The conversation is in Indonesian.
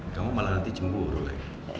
kamu malah nanti cemburu lagi